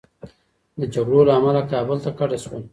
د جګړو له امله کابل ته کډه شول.